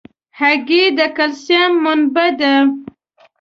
هګۍ د کلسیم منبع ده.